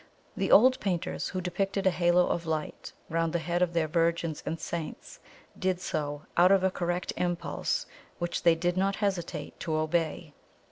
The old painters who depicted a halo of light round the head of their Virgins and Saints did so out of a correct impulse which they did not hesitate to obey.